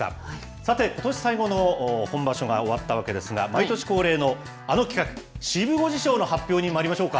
さて、ことし最後の本場所が終わったわけですが、毎年恒例のあの企画、シブ５時賞の発表にまいりましょうか。